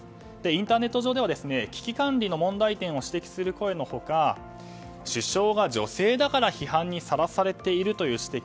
インターネット上では危機管理の問題点を指摘する声の他首相が女性だから批判にさらされているという指摘